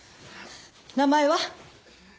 名前は？